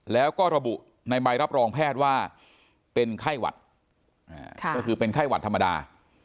แล้วก็ระบุในใบรับรองแพทย์ว่าเป็นไข้หวัดก็คือเป็นไข้หวัดธรรมดา